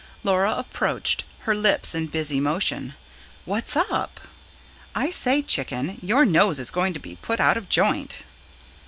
Laura approached, her lips in busy motion. "What's up?" "I say, chicken, your nose is going to be put out of joint."